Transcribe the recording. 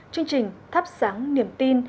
chương trình thắp sáng niềm tin